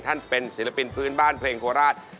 ท่านเป็นศิลปินพื้นบ้านเพลงโคราช